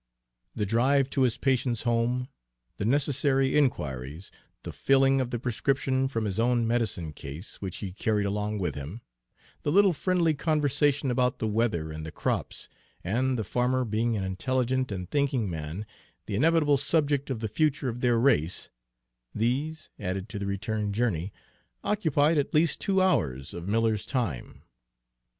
The drive to his patient's home, the necessary inquiries, the filling of the prescription from his own medicine case, which he carried along with him, the little friendly conversation about the weather and the crops, and, the farmer being an intelligent and thinking man, the inevitable subject of the future of their race, these, added to the return journey, occupied at least two hours of Miller's time.